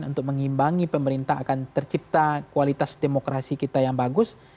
untuk mengimbangi pemerintah akan tercipta kualitas demokrasi kita yang bagus